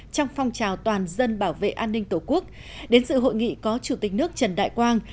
trong phong trào toàn dân bảo vệ an ninh tổ quốc đến sự hội nghị có chủ tịch nước trần đại quang